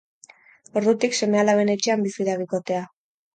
Ordutik, seme-alaben etxean bizi da bikotea.